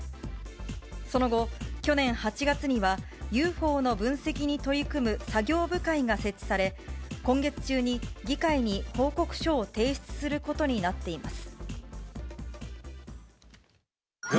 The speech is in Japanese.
その後、去年８月にはＵＦＯの分析に取り組む作業部会が設置され、今月中に議会に報告書を提出することになっています。